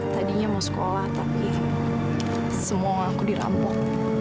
tadinya mau sekolah tapi semua orangku dirampok